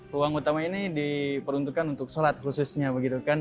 ruang utama ini diperuntukkan untuk sholat khususnya begitu kan